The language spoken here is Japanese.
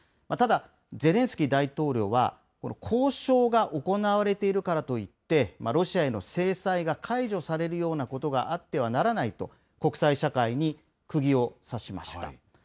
ただ、ゼレンスキー大統領は、この交渉が行われているからといって、ロシアへの制裁が解除されるようなことがあってはならないと、国際社会にくぎを刺しました。